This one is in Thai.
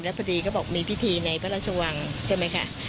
แล้วพอดีก็บอกมีพิธีในพระราชวังใช่ไหมค่ะ